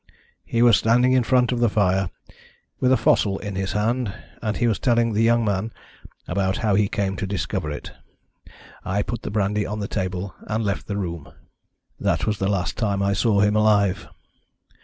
He was standing in front of the fire, with a fossil in his hand, and he was telling the young man about how he came to discover it. I put the brandy on the table and left the room. "That was the last time I saw him alive.